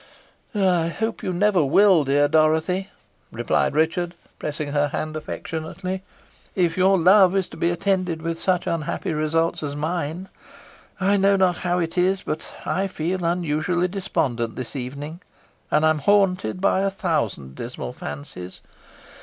"I hope you never will, dear Dorothy," replied Richard, pressing her hand affectionately, "if your love is to be attended with such unhappy results as mine. I know not how it is, but I feel unusually despondent this evening, and am haunted by a thousand dismal fancies.